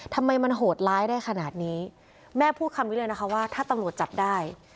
ทำไมมันโหดร้ายได้ขนาดนี้แม่พูดคำนี้เลยนะคะว่าถ้าตำรวจจับได้